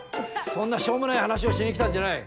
そんなしょうもない話をしに来たんじゃない。